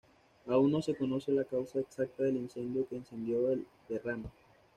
Aún no se conoce la causa exacta del incendio que encendió el derrame.